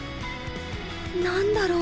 何だろう